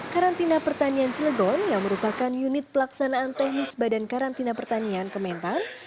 karantina pertanian cilegon yang merupakan unit pelaksanaan teknis badan karantina pertanian kementan